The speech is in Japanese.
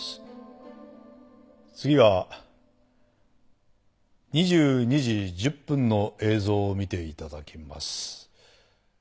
次は２２時１０分の映像を見て頂きます。